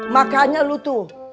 maknya lu tuh